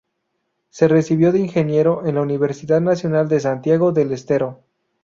Se recibió de ingeniero en la Universidad Nacional de Santiago del Estero.